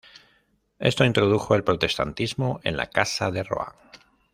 Esto introdujo el protestantismo en la Casa de Rohan.